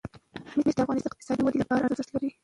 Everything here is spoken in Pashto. مس د افغانستان د اقتصادي ودې لپاره ارزښت لري.